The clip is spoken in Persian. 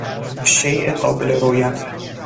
شی قابل رویت